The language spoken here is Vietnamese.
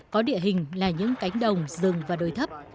có địa hình là những cánh đồng rừng và đồi thấp